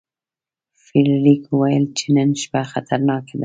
فلیریک وویل چې نن شپه خطرناکه ده.